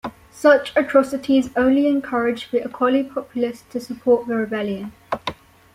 Such atrocities only encouraged the Acholi populace to support the rebellion.